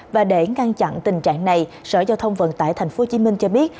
và để ngăn chặn tình trạng này sở giao thông vận tải tp hcm cho biết